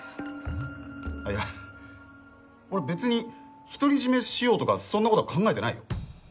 あっいや俺べつに独り占めしようとかそんなことは考えてないよ。